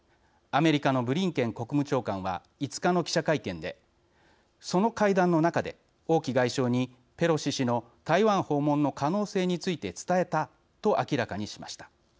アメリカのブリンケン国務長官は５日の記者会見でその会談の中で王毅外相にペロシ氏の台湾訪問の可能性について伝えたと明らかにしました。